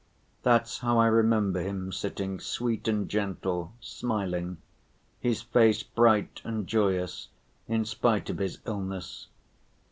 That's how I remember him sitting, sweet and gentle, smiling, his face bright and joyous, in spite of his illness.